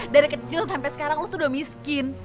dari kecil sampai sekarang lo tuh udah miskin